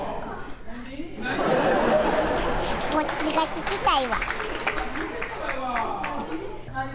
こっちが聞きたいわ。